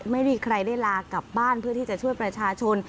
ไม่มีใครได้ลากลับบ้านเพื่อที่จะช่วยประชาชน